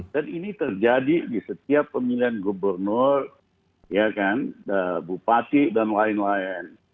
dan ini terjadi di setiap pemilihan gubernur bupati dan lain lain